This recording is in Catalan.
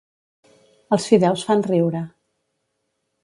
Els fideus fan riure.